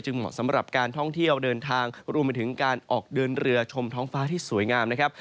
เหมาะสำหรับการท่องเที่ยวเดินทางรวมไปถึงการออกเดินเรือชมท้องฟ้าที่สวยงามนะครับ